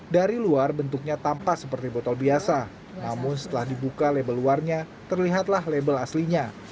dari luar bentuknya tampak seperti botol biasa namun setelah dibuka label luarnya terlihatlah label aslinya